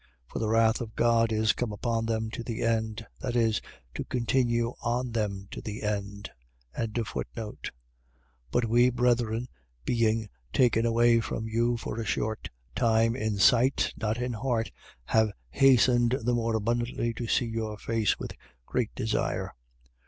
For the wrath of God is come upon them to the end. . .That is, to continue on them to the end. 2:17. But we, brethren, being taken away from you for a short time, in sight, not in heart, have hastened the more abundantly to see your face with great desire.